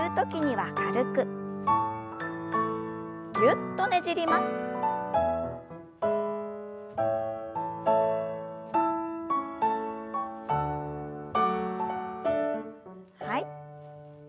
はい。